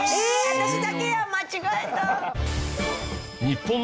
私だけやん間違えた。